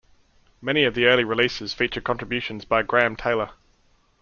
Many of the early releases feature contributions by Graeme Taylor.